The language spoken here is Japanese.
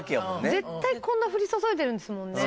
絶対こんな降り注いでるんですもんね。